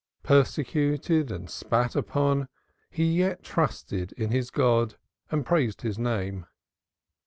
Persecuted and spat upon, he yet trusted in his God and praised His name.